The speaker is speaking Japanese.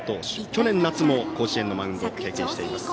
去年夏も甲子園のマウンドを経験しています。